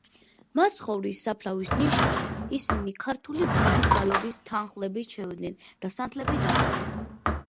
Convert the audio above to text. მაცხოვრის საფლავის ნიშაში ისინი ქართული გუნდის გალობის თანხლებით შევიდნენ და სანთლები დაანთეს.